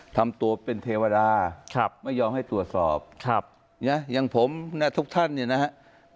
ทำตัวเป็นเทวดาไม่ยอมให้ตรวจสอบอย่างผมนะทุกท่านเนี่ยนะครับ